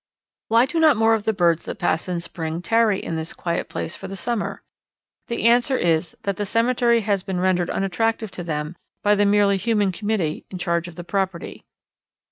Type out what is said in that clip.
Why do not more of the birds that pass in spring tarry in this quiet place for the summer? The answer is that the cemetery has been rendered unattractive to them by the merely human committee in charge of the property.